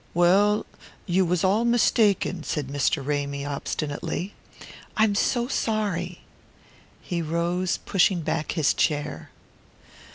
"Well, you was all mistaken," said Mr. Ramy obstinately. "I'm so sorry." He rose, pushing back his chair.